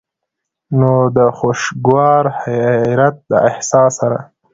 نو د خوشګوار حېرت د احساس سره